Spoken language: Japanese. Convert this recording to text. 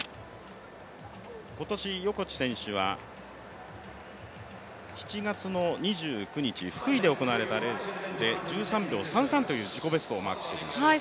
今年、横地選手は、７月２９日、福井で行われたレースで１３秒３３という自己ベストをマークしてきました。